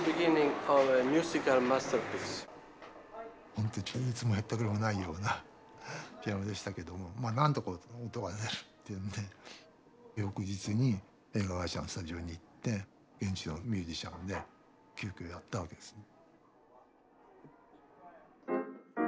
ほんと調律もへったくれもないようなピアノでしたけどもまあなんとか音が出るっていうんで翌日に映画会社のスタジオに行って現地のミュージシャンで急きょやったわけですね。